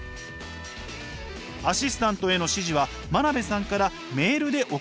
アシスタントへの指示は真鍋さんからメールで送られてくるそう。